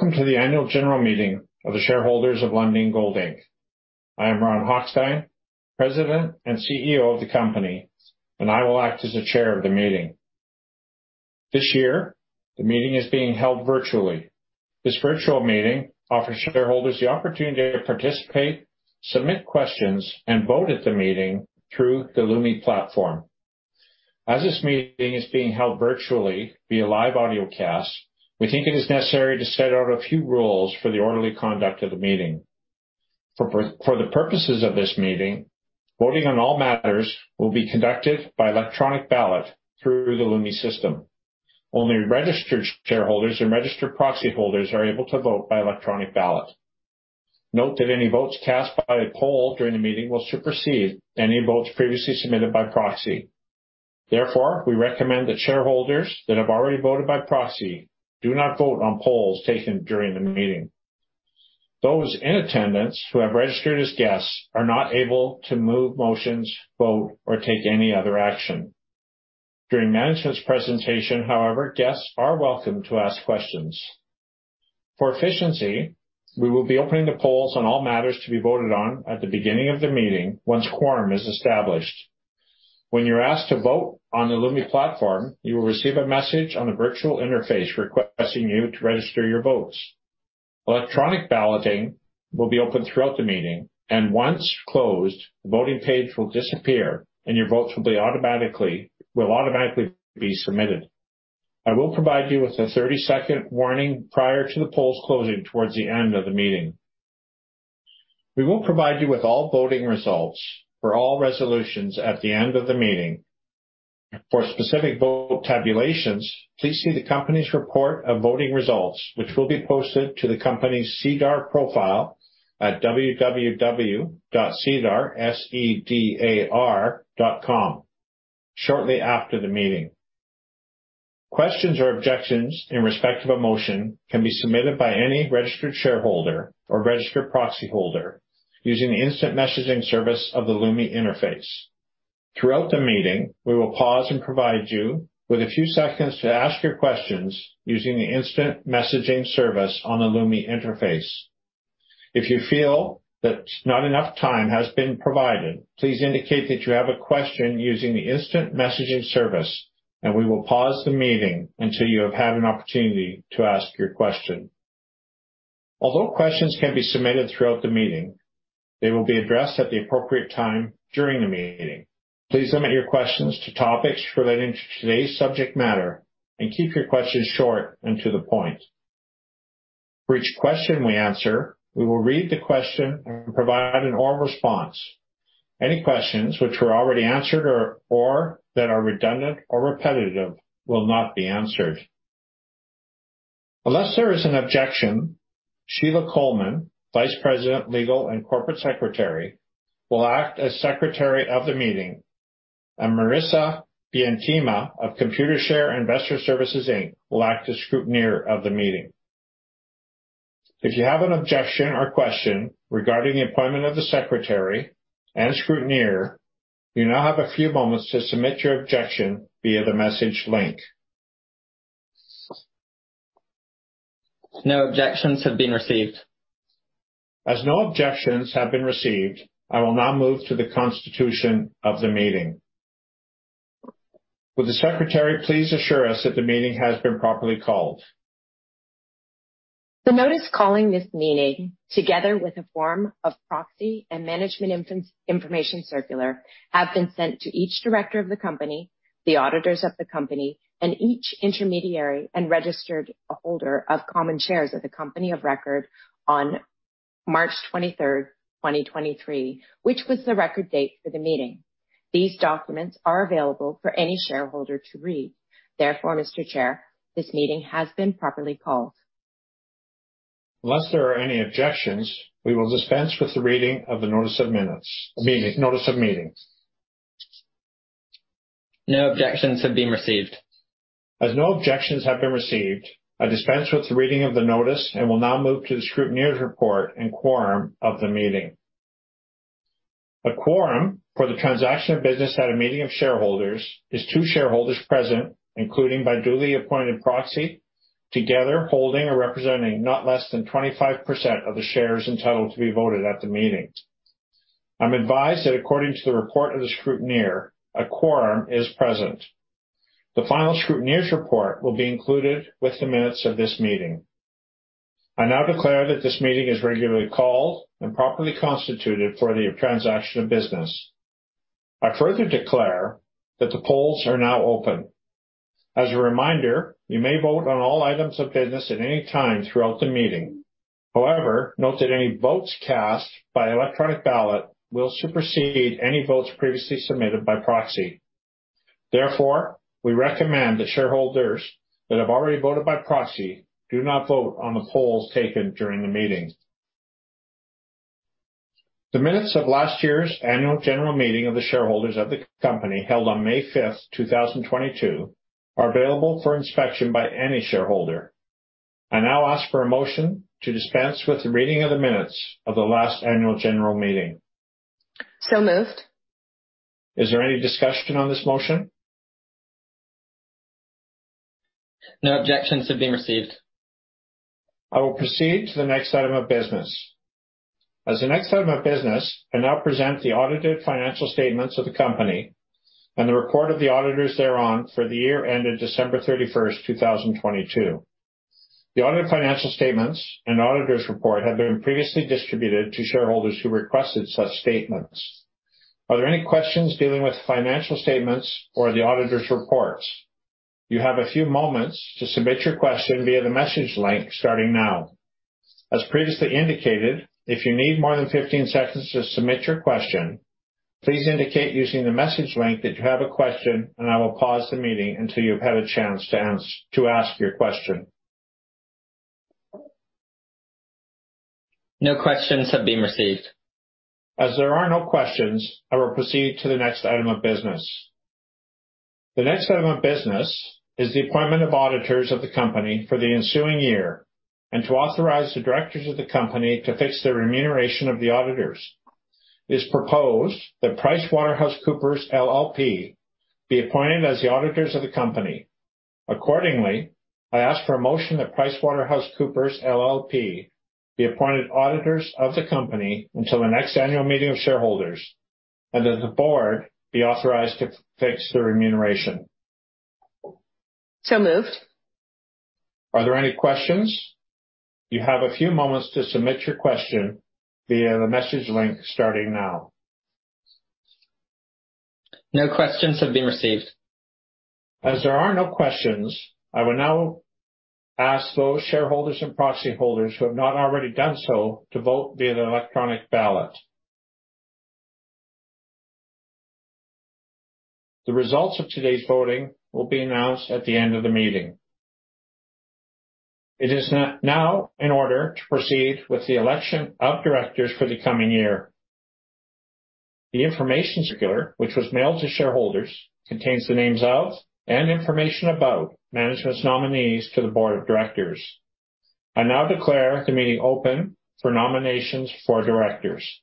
Welcome to the annual general meeting of the shareholders of Lundin Gold Inc. I am Ron Hochstein, President and CEO of the company, and I will act as the chair of the meeting. This year, the meeting is being held virtually. This virtual meeting offers shareholders the opportunity to participate, submit questions, and vote at the meeting through the Lumi platform. As this meeting is being held virtually via live audio cast, we think it is necessary to set out a few rules for the orderly conduct of the meeting. For the purposes of this meeting, voting on all matters will be conducted by electronic ballot through the Lumi system. Only registered shareholders and registered proxy holders are able to vote by electronic ballot. Note that any votes cast by a poll during the meeting will supersede any votes previously submitted by proxy. Therefore, we recommend that shareholders that have already voted by proxy do not vote on polls taken during the meeting. Those in attendance who have registered as guests are not able to move motions, vote, or take any other action. During management's presentation, however, guests are welcome to ask questions. For efficiency, we will be opening the polls on all matters to be voted on at the beginning of the meeting once quorum is established. When you're asked to vote on the Lumi platform, you will receive a message on the virtual interface requesting you to register your votes. Electronic balloting will be open throughout the meeting, and once closed, the voting page will disappear and your votes will automatically be submitted. I will provide you with a 30-second warning prior to the polls closing towards the end of the meeting. We will provide you with all voting results for all resolutions at the end of the meeting. For specific vote tabulations, please see the company's report of voting results, which will be posted to the company's SEDAR profile at www.sedar, SEDAR, .com shortly after the meeting. Questions or objections in respect of a motion can be submitted by any registered shareholder or registered proxyholder using the instant messaging service of the Lumi interface. Throughout the meeting, we will pause and provide you with a few seconds to ask your questions using the instant messaging service on the Lumi interface. If you feel that not enough time has been provided, please indicate that you have a question using the instant messaging service, and we will pause the meeting until you have had an opportunity to ask your question. Although questions can be submitted throughout the meeting, they will be addressed at the appropriate time during the meeting. Please limit your questions to topics relating to today's subject matter and keep your questions short and to the point. For each question we answer, we will read the question and provide an oral response. Any questions which were already answered or that are redundant or repetitive will not be answered. Unless there is an objection, Sheila Colman, Vice President, Legal and Corporate Secretary, will act as Secretary of the meeting, and Marissa Bentima of Computershare Investor Services Inc. will act as scrutineer of the meeting. If you have an objection or question regarding the appointment of the secretary and scrutineer, you now have a few moments to submit your objection via the message link. No objections have been received. As no objections have been received, I will now move to the constitution of the meeting. Will the secretary please assure us that the meeting has been properly called? The notice calling this meeting, together with a form of proxy and management information circular, have been sent to each director of the company, the auditors of the company and each intermediary and registered holder of common shares of the company of record on March 23, 2023, which was the record date for the meeting. These documents are available for any shareholder to read. Mr. Chair, this meeting has been properly called. Unless there are any objections, we will dispense with the reading of the Notice of meeting. No objections have been received. As no objections have been received, I dispense with the reading of the notice and will now move to the scrutineer's report and quorum of the meeting. A quorum for the transaction of business at a meeting of shareholders is two shareholders present, including by duly appointed proxy, together holding or representing not less than 25% of the shares entitled to be voted at the meeting. I'm advised that according to the report of the scrutineer, a quorum is present. The final scrutineer's report will be included with the minutes of this meeting. I now declare that this meeting is regularly called and properly constituted for the transaction of business. I further declare that the polls are now open. As a reminder, you may vote on all items of business at any time throughout the meeting. However, note that any votes cast by electronic ballot will supersede any votes previously submitted by proxy. Therefore, we recommend that shareholders that have already voted by proxy do not vote on the polls taken during the meeting. The minutes of last year's annual general meeting of the shareholders of the company held on May 5th, 2022, are available for inspection by any shareholder. I now ask for a motion to dispense with the reading of the minutes of the last annual general meeting. Moved. Is there any discussion on this motion? No objections have been received. I will proceed to the next item of business. As the next item of business, I now present the audited financial statements of the company and the report of the auditors thereon for the year ended December 31, 2022. The audited financial statements and auditors report have been previously distributed to shareholders who requested such statements. Are there any questions dealing with financial statements or the auditors reports? You have a few moments to submit your question via the message link starting now. As previously indicated, if you need more than 15 seconds to submit your question, please indicate using the message link that you have a question, and I will pause the meeting until you've had a chance to ask your question. No questions have been received. As there are no questions, I will proceed to the next item of business. The next item of business is the appointment of auditors of the company for the ensuing year, and to authorize the directors of the company to fix the remuneration of the auditors. It's proposed that PricewaterhouseCoopers LLP be appointed as the auditors of the company. Accordingly, I ask for a motion that PricewaterhouseCoopers LLP be appointed auditors of the company until the next annual meeting of shareholders, and that the board be authorized to fix their remuneration. Moved. Are there any questions? You have a few moments to submit your question via the message link starting now. No questions have been received. As there are no questions, I will now ask those shareholders and proxy holders who have not already done so to vote via the electronic ballot. The results of today's voting will be announced at the end of the meeting. It is now in order to proceed with the election of directors for the coming year. The information circular, which was mailed to shareholders, contains the names of and information about management's nominees to the board of directors. I now declare the meeting open for nominations for directors.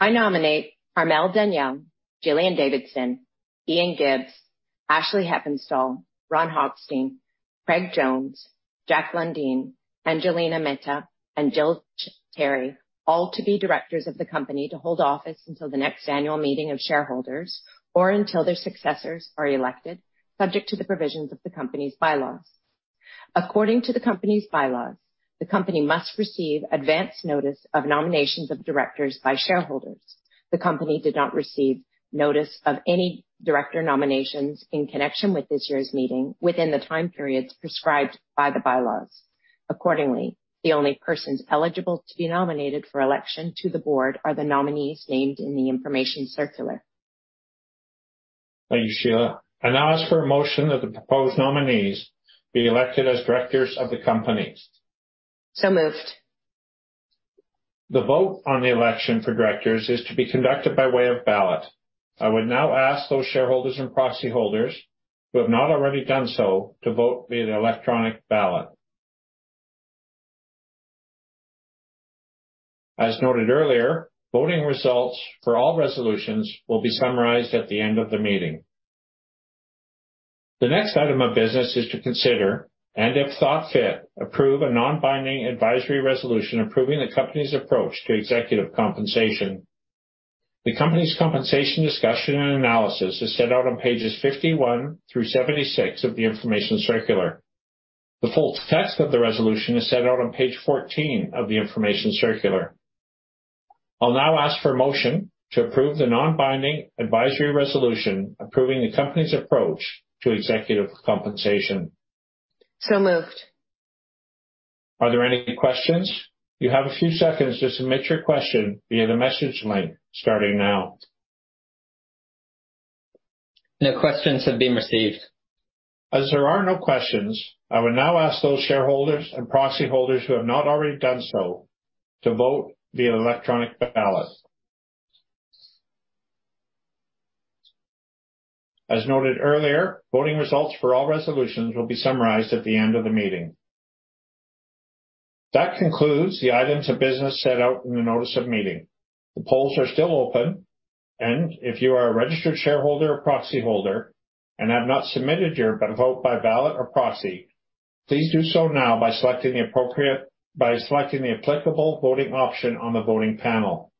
I nominate Carmel Daniele, Gillian Davidson, Ian Gibbs, Ashley Heppenstall, Ron Hochstein, Craig Jones, Jack Lundin, Angelina Mehta, and Jill Terry, all to be directors of the company to hold office until the next annual meeting of shareholders or until their successors are elected, subject to the provisions of the company's bylaws. According to the company's bylaws, the company must receive advance notice of nominations of directors by shareholders. The company did not receive notice of any director nominations in connection with this year's meeting within the time periods prescribed by the bylaws. Accordingly, the only persons eligible to be nominated for election to the board are the nominees named in the information circular. Thank you, Sheila. I now ask for a motion that the proposed nominees be elected as directors of the company. moved. The vote on the election for directors is to be conducted by way of ballot. I would now ask those shareholders and proxy holders who have not already done so to vote via the electronic ballot. As noted earlier, voting results for all resolutions will be summarized at the end of the meeting. The next item of business is to consider and, if thought fit, approve a non-binding advisory resolution approving the company's approach to executive compensation. The company's compensation discussion and analysis is set out on pages 51 through 76 of the information circular. The full text of the resolution is set out on page 14 of the information circular. I'll now ask for a motion to approve the non-binding advisory resolution approving the company's approach to executive compensation. Moved. Are there any questions? You have a few seconds to submit your question via the message link starting now. No questions have been received. As there are no questions, I will now ask those shareholders and proxy holders who have not already done so to vote via electronic ballot. As noted earlier, voting results for all resolutions will be summarized at the end of the meeting. That concludes the items of business set out in the notice of meeting. The polls are still open, and if you area a registered shareholder or proxy holder and have not submitted your vote by ballot or proxy, please do so now by selecting the applicable voting option on the voting panel.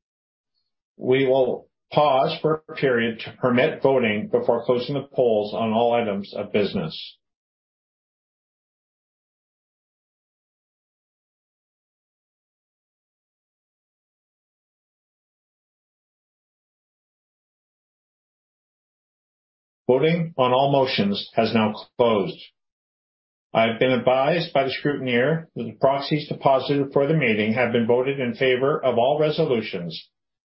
We will pause for a period to permit voting before closing the polls on all items of business. Voting on all motions has now closed. I have been advised by the scrutineer that the proxies deposited for the meeting have been voted in favor of all resolutions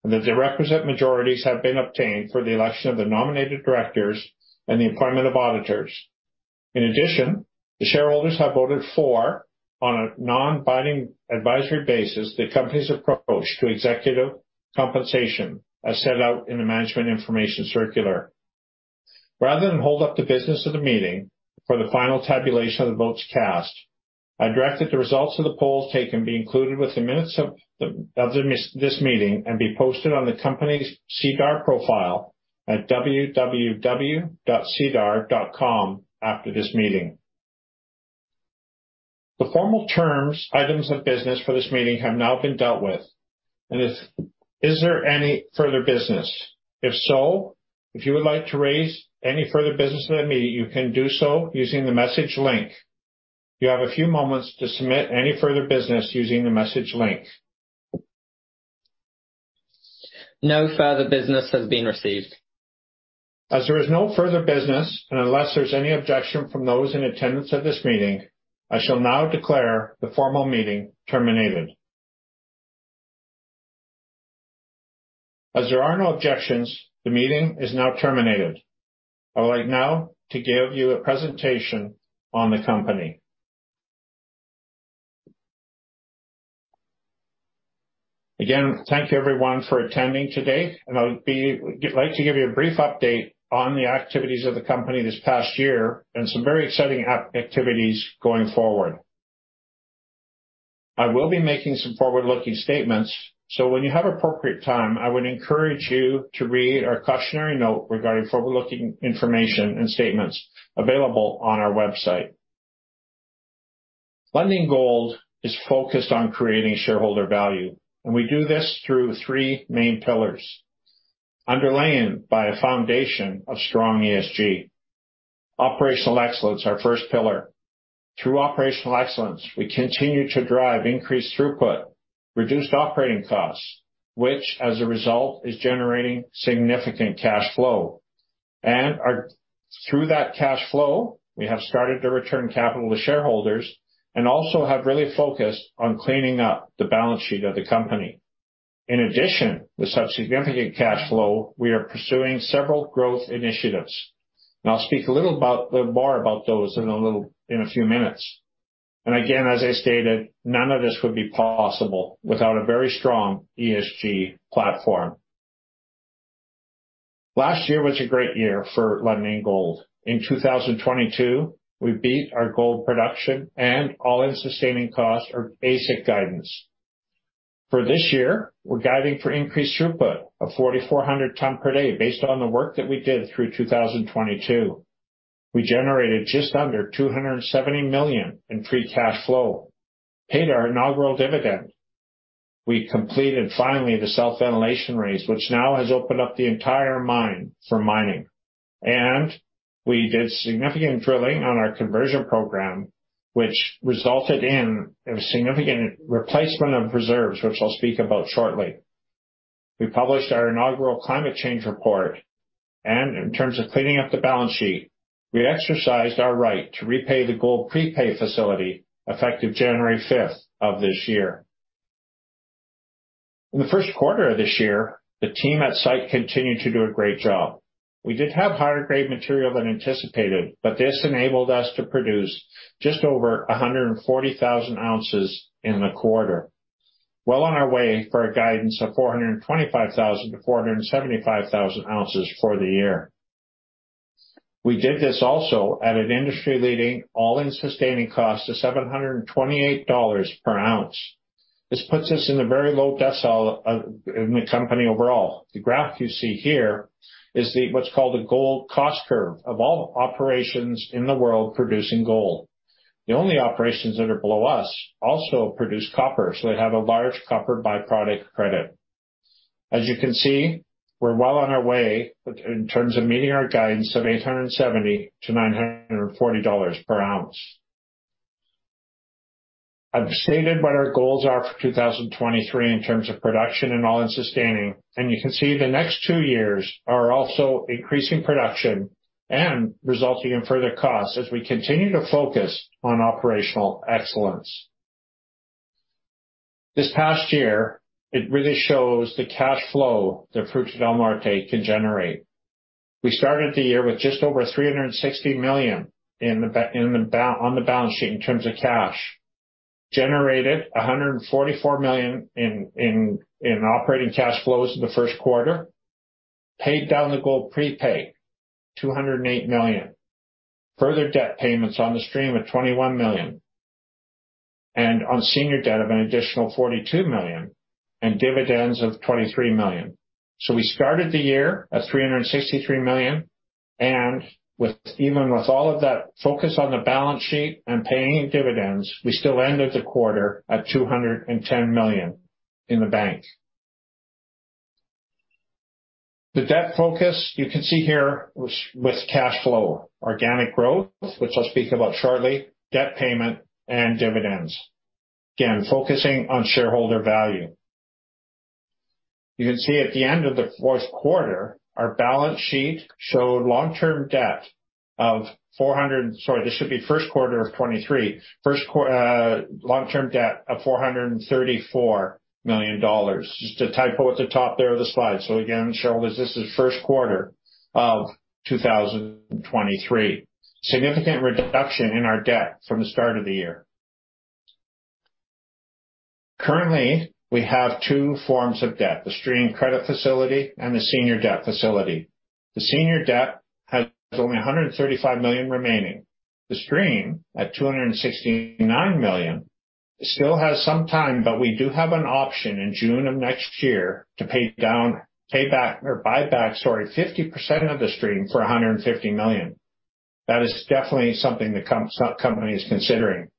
and that the represent majorities have been obtained for the election of the nominated directors and the appointment of auditors. In addition, the shareholders have voted for, on a non-binding advisory basis, the company's approach to executive compensation as set out in the management information circular. Rather than hold up the business of the meeting for the final tabulation of the votes cast, I direct that the results of the polls taken be included with the minutes of this meeting and be posted on the company's SEDAR profile at www.sedar.com after this meeting. The formal terms, items of business for this meeting have now been dealt with. Is there any further business? If you would like to raise any further business in the meeting, you can do so using the message link. You have a few moments to submit any further business using the message link. No further business has been received. As there is no further business, unless there's any objection from those in attendance at this meeting, I shall now declare the formal meeting terminated. As there are no objections, the meeting is now terminated. I would like now to give you a presentation on the company. Again, thank you everyone for attending today. I'll be like to give you a brief update on the activities of the company this past year and some very exciting activities going forward. I will be making some forward-looking statements. When you have appropriate time, I would encourage you to read our cautionary note regarding forward-looking information and statements available on our website. Lundin Gold is focused on creating shareholder value. We do this through three main pillars underlain by a foundation of strong ESG. Operational excellence is our first pillar. Through operational excellence, we continue to drive increased throughput, reduced operating costs, which as a result is generating significant cash flow. Through that cash flow, we have started to return capital to shareholders and also have really focused on cleaning up the balance sheet of the company. In addition to such significant cash flow, we are pursuing several growth initiatives. I'll speak a little more about those in a few minutes. Again, as I stated, none of this would be possible without a very strong ESG platform. Last year was a great year for Lundin Gold. In 2022, we beat our gold production and all-in sustaining costs or basic guidance. For this year, we're guiding for increased throughput of 4,400 tons per day based on the work that we did through 2022. We generated just under $270 million in free cash flow, paid our inaugural dividend. We completed finally the self-ventilation raise, which now has opened up the entire mine for mining. We did significant drilling on our conversion program, which resulted in a significant replacement of reserves, which I'll speak about shortly. We published our inaugural climate change report, and in terms of cleaning up the balance sheet, we exercised our right to repay the gold prepay facility effective January fifth of this year. In the first quarter of this year, the team at site continued to do a great job. We did have higher grade material than anticipated, but this enabled us to produce just over 140,000 ounces in the quarter. Well on our way for a guidance of 425,000-475,000 ounces for the year. We did this also at an industry-leading all-in sustaining costs of $728 per ounce. This puts us in a very low decile in the company overall. The graph you see here is the what's called the gold cost curve of all operations in the world producing gold. The only operations that are below us also produce copper, so they have a large copper by-product credit. As you can see, we're well on our way in terms of meeting our guidance of $870-$940 per ounce. I've stated what our goals are for 2023 in terms of production and all-in sustaining. You can see the next two years are also increasing production and resulting in further costs as we continue to focus on operational excellence. This past year, it really shows the cash flow that Fruta del Norte can generate. We started the year with just over $360 million on the balance sheet in terms of cash. Generated $144 million in operating cash flows in the first quarter. Paid down the gold prepay, $208 million. Further debt payments on the stream of $21 million. On senior debt of an additional $42 million, and dividends of $23 million. We started the year at $363 million, and with, even with all of that focus on the balance sheet and paying dividends, we still ended the quarter at $210 million in the bank. The debt focus you can see here was with cash flow, organic growth, which I'll speak about shortly, debt payment and dividends. Again, focusing on shareholder value. You can see at the end of the fourth quarter. Sorry, this should be first quarter of 2023. First quarter, long-term debt of $434 million. Just a typo at the top there of the slide. Again, shareholders, this is first quarter of 2023. Significant reduction in our debt from the start of the year. Currently, we have two forms of debt, the stream credit facility and the senior debt facility. The senior debt has only $135 million remaining. The stream at $269 million still has some time, but we do have an option in June of next year to pay down, pay back or buy back, sorry, 50% of the stream for $150 million. That is definitely something the company is considering.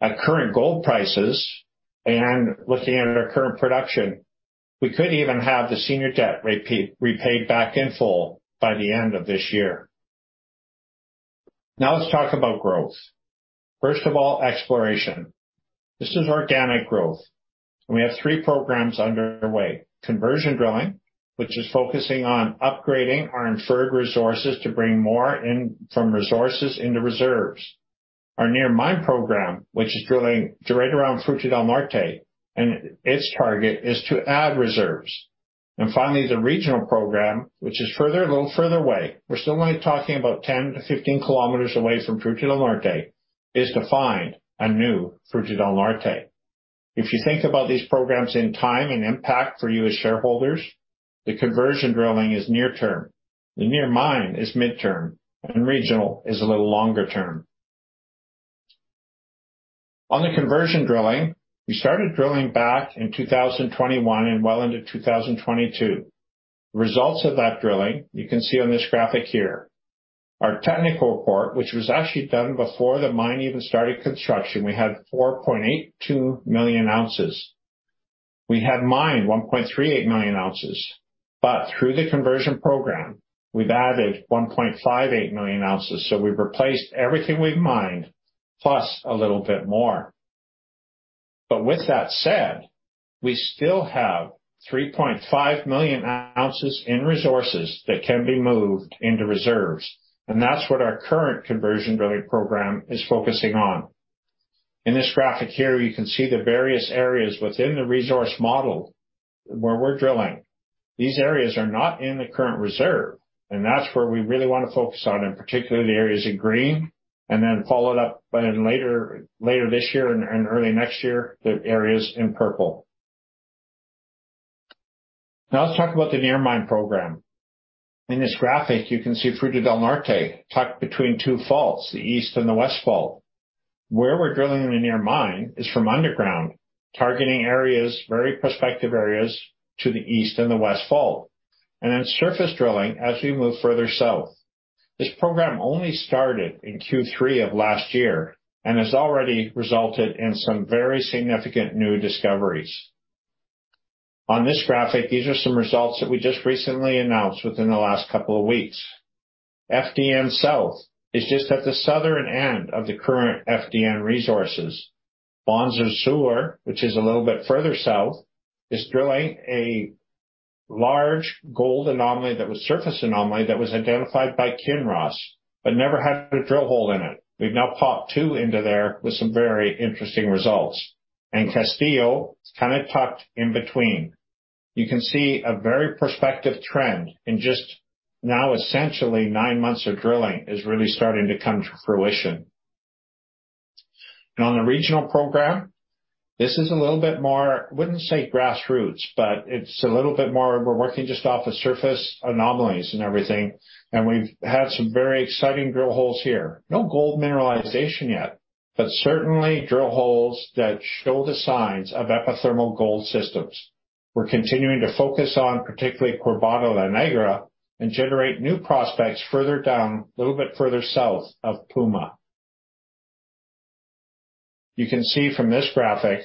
At current gold prices and looking at our current production, we could even have the senior debt repaid back in full by the end of this year. Now let's talk about growth. First of all, exploration. This is organic growth. We have three programs underway. Conversion drilling, which is focusing on upgrading our inferred resources to bring more in from resources into reserves. Our near mine program, which is drilling right around Fruta del Norte. Its target is to add reserves. Finally, the regional program, which is further, a little further away, we're still only talking about 10-15 kilometers away from Fruta del Norte, is to find a new Fruta del Norte. If you think about these programs in time and impact for you as shareholders, the conversion drilling is near-term, the near mine is mid-term, and regional is a little longer term. On the conversion drilling, we started drilling back in 2021 and well into 2022. Results of that drilling you can see on this graphic here. Our technical report, which was actually done before the mine even started construction, we had 4.82 million ounces. We had mined 1.38 million ounces. Through the conversion program, we've added 1.58 million ounces, so we've replaced everything we've mined, plus a little bit more. With that said, we still have 3.5 million ounces in resources that can be moved into reserves, and that's what our current conversion drilling program is focusing on. In this graphic here, you can see the various areas within the resource model where we're drilling. These areas are not in the current reserve, and that's where we really want to focus on, in particular, the areas in green and then follow it up by later this year and early next year, the areas in purple. Let's talk about the near mine program. In this graphic, you can see Fruta del Norte tucked between 2 faults, the East Fault and the West Fault. Where we're drilling the near mine is from underground, targeting areas, very prospective areas to the East Fault and the West Fault, and then surface drilling as we move further south. This program only started in Q3 of last year and has already resulted in some very significant new discoveries. On this graphic, these are some results that we just recently announced within the last couple of weeks. FDN South is just at the southern end of the current FDN resources. Barbasco Sur, which is a little bit further south, is drilling a large gold anomaly that was surface anomaly that was identified by Kinross but never had a drill hole in it. We've now popped two into there with some very interesting results. Castillo is kinda tucked in between. You can see a very prospective trend in just now, essentially nine months of drilling is really starting to come to fruition. On the regional program, this is a little bit more, I wouldn't say grassroots, but it's a little bit more, we're working just off of surface anomalies and everything, and we've had some very exciting drill holes here. No gold mineralization yet, but certainly drill holes that show the signs of epithermal gold systems. We're continuing to focus on, particularly Corbato La Negra and generate new prospects further down, a little bit further south of Puma. You can see from this graphic,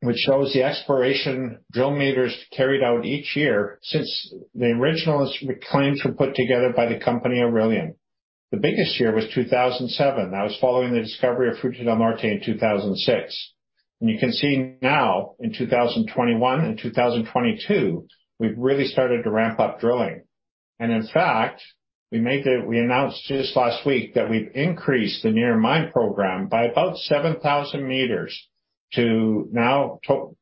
which shows the exploration drill meters carried out each year since the original claims were put together by the company Aurelian. The biggest year was 2007. That was following the discovery of Fruta del Norte in 2006. You can see now in 2021 and 2022, we've really started to ramp up drilling. In fact, we announced just last week that we've increased the near mine program by about 7,000 meters to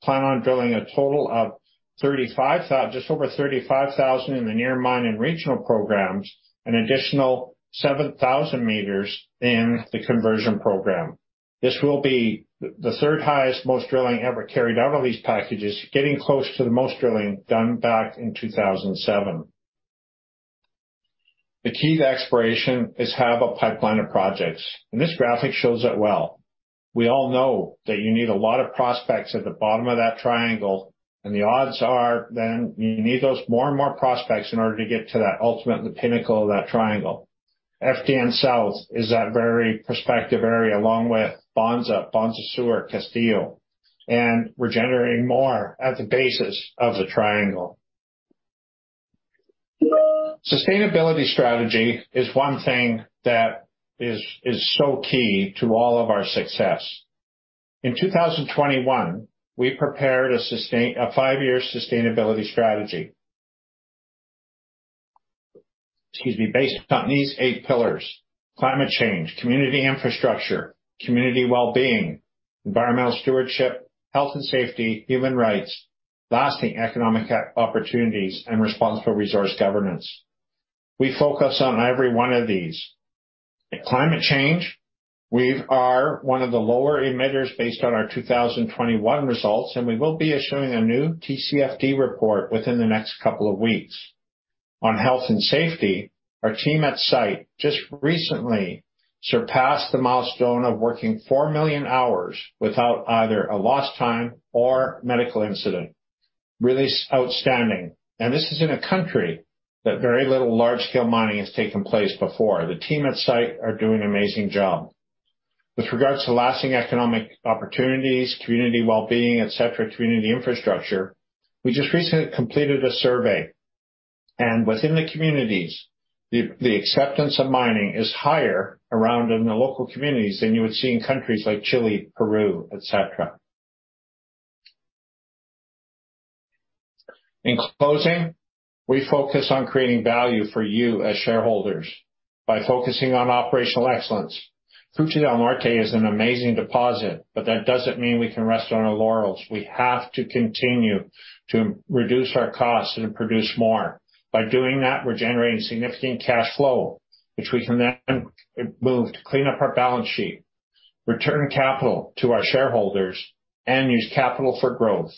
plan on drilling a total of just over 35,000 in the near mine and regional programs, an additional 7,000 meters in the conversion program. This will be the third highest most drilling ever carried out on these packages, getting close to the most drilling done back in 2007. The key to exploration is have a pipeline of projects. This graphic shows it well. We all know that you need a lot of prospects at the bottom of that triangle, and the odds are then you need those more and more prospects in order to get to that ultimately pinnacle of that triangle. FDN South is that very prospective area, along with Bonza-Sur, Castillo, and we're generating more at the base of the triangle. Sustainability strategy is one thing that is so key to all of our success. In 2021, we prepared a five-year sustainability strategy. Excuse me. Based on these eight pillars: climate change, community infrastructure, community well-being, environmental stewardship, health and safety, human rights, lasting economic opportunities, and responsible resource governance. We focus on every one of these. In climate change, we are one of the lower emitters based on our 2021 results. We will be issuing a new TCFD report within the next couple of weeks. On Health and safety, our team at site just recently surpassed the milestone of working 4 million hours without either a lost time or medical incident. Really outstanding. This is in a country that very little large scale mining has taken place before. The team at site are doing an amazing job. With regards to lasting economic opportunities, community well-being, et cetera, community infrastructure, we just recently completed a survey. Within the communities, the acceptance of mining is higher around in the local communities than you would see in countries like Chile, Peru, et cetera. In closing, we focus on creating value for you as shareholders by focusing on operational excellence. Fruta del Norte is an amazing deposit. That doesn't mean we can rest on our laurels. We have to continue to reduce our costs and produce more. By doing that, we're generating significant cash flow, which we can then move to clean up our balance sheet, return capital to our shareholders, and use capital for growth,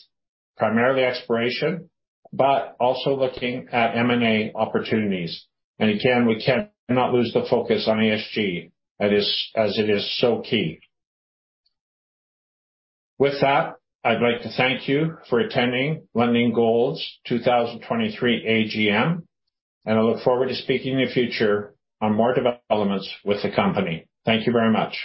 primarily exploration, but also looking at M&A opportunities. Again, we cannot lose the focus on ESG, that is, as it is so key. With that, I'd like to thank you for attending Lundin Gold's 2023 AGM. I look forward to speaking in the future on more developments with the company. Thank you very much.